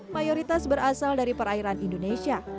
mayoritas berasal dari perairan indonesia